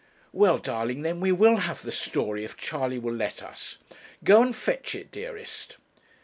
'Well, darling, then we will have the story, if Charley will let us. Go and fetch it, dearest.'